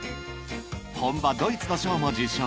本場ドイツの賞も受賞